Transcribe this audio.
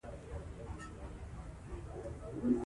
افغانستان د نورستان په برخه کې نړیوالو بنسټونو سره کار کوي.